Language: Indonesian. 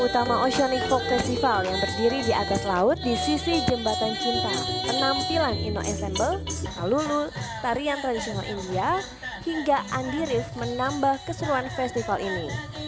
pemutama oceanic folk festival yang berdiri di atas laut di sisi jembatan cinta penampilan ino ensemble lalu lulu tarian tradisional india hingga andi riff menambah keseruan festival ini